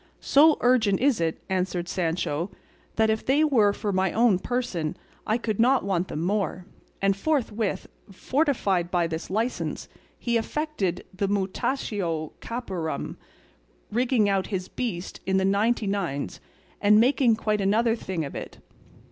"So urgent is it," answered Sancho, "that if they were for my own person I could not want them more;" and forthwith, fortified by this licence, he effected the mutatio capparum, rigging out his beast to the ninety nines and making quite another thing of it.